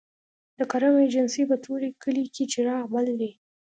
د کرم ایجنسۍ په طوري کلي کې څراغ بل دی